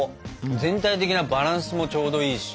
全体的なバランスもちょうどいいし。